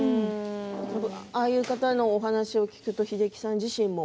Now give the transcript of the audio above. ああいう方のお話を聞くと英樹さん自身も。